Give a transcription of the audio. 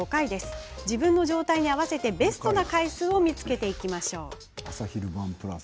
自分の状態に合わせてベストな回数を見つけましょう。